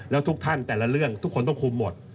แล้วทุกท่านแต่ละเรื่องทุกคนต้องคุมหมด